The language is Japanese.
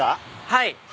はい。